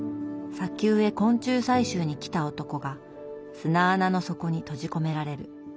砂丘へ昆虫採集に来た男が砂穴の底に閉じ込められる。